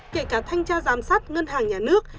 kể cả thanh tra giám sát ngân hàng nhà nước